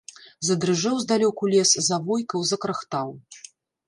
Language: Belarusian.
Задрыжэў здалёку лес, завойкаў, закрахтаў.